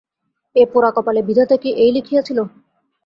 এ পোড়া কপালে বিধাতা কি এই লিখিয়াছিল?